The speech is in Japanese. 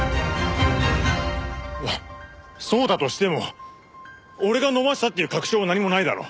いやそうだとしても俺が飲ませたっていう確証は何もないだろ。